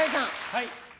はい。